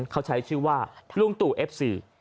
เขาใช้ชื่อว่าลุงตู่เอฟซี